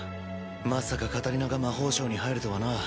まさかカタリナが魔法省に入るとはな。